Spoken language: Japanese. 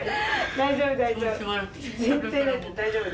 大丈夫大丈夫。